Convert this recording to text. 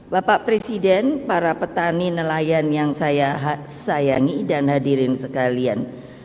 bapak presiden para petani nelayan yang saya sayangi dan hadirin sekalian